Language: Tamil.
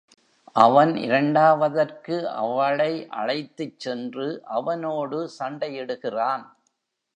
அவன் இரண்டாவதற்கு அவளை அழைத்துச் சென்று அவனோடு சண்டையிடுகிறான்.